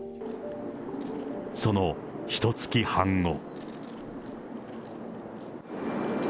そのひとつき半後。